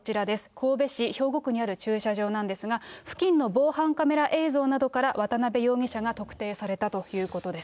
神戸市兵庫区にある駐車場なんですが、付近の防犯カメラ映像などから、渡辺容疑者が特定されたということです。